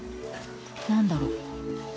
何だろう？